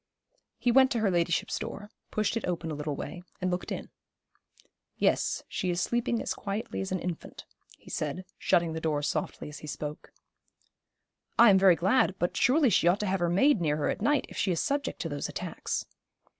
He went to her ladyship's door, pushed it open a little way, and looked in. 'Yes, she is sleeping as quietly as an infant,' he said, shutting the door softly as he spoke. 'I am very glad; but surely she ought to have her maid near her at night, if she is subject to those attacks.'